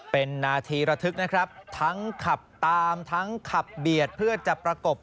เป็นนาทีระทึกนะครับทั้งขับตามทั้งขับเบียดเพื่อจะประกบ